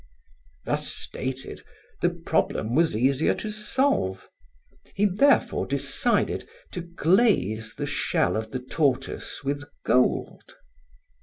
Thus stated, the problem was easier to solve. He therefore decided to glaze the shell of the tortoise with gold.